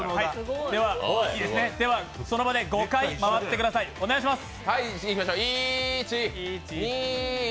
その場で５回回ってください、お願いします。